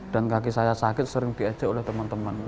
dan kaki saya sakit sering diajak oleh teman teman